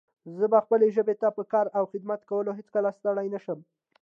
زه به خپلې ژبې ته په کار او خدمت کولو هيڅکله ستړی نه شم